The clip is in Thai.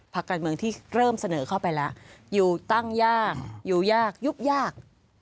พักการเมืองที่เริ่มเสนอเข้าไปแล้วอยู่ตั้งยากอยู่ยากยุบยาก